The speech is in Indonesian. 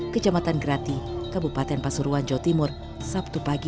kejamatan grati kabupaten pasuruan jawa timur sabtu pagi